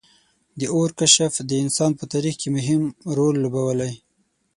• د اور کشف د انسان په تاریخ کې مهم رول لوبولی.